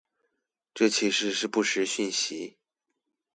這其實是不實訊息